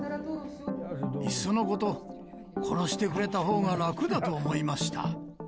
いっそのこと、殺してくれたほうが楽だと思いました。